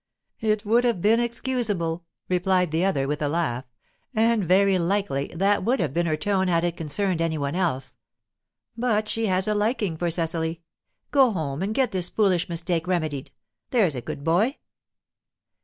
"It would have been excusable," replied the other, with a laugh. "And very likely that would have been her tone had it concerned any one else. But she has a liking for Cecily. Go home, and get this foolish mistake remedied, there's a good boy."